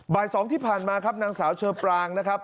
บ่าย๒ที่ผ่านมาครับนางสาวเชอปรางนะครับ